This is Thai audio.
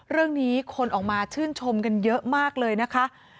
เรื่องนี้คนออกมาชื่นชมกันเยอะมากเลยนะคะ